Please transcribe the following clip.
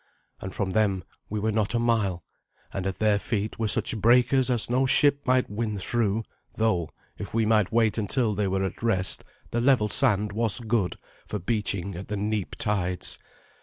And from them we were not a mile, and at their feet were such breakers as no ship might win through, though, if we might wait until they were at rest, the level sand was good for beaching at the neap tides.